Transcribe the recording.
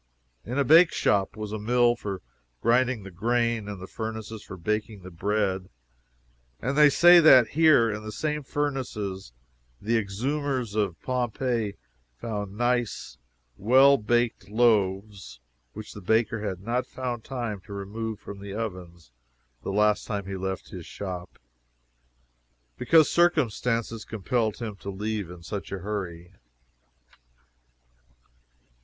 In a bake shop was a mill for grinding the grain, and the furnaces for baking the bread: and they say that here, in the same furnaces, the exhumers of Pompeii found nice, well baked loaves which the baker had not found time to remove from the ovens the last time he left his shop, because circumstances compelled him to leave in such a hurry.